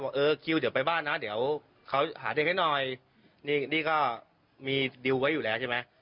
เออคิวเดี๋ยวไปบ้านนะเดี๋ยวเขาหาเด็กให้หน่อยนี่นี่ก็มีดิวไว้อยู่แล้วใช่ไหม